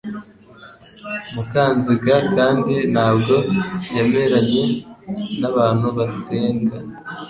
Mukanziga kandi ntabwo yemeranya n'abantu Batenga